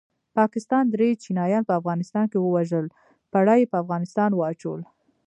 پاکستان دري چینایان په افغانستان کې ووژل پړه یې په افغانستان واچول